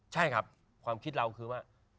ใช่ครับความคิดเราคือว่า